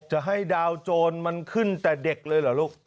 จะให้ดาวโจรมันขึ้นแต่เด็กเลยเหรอลูก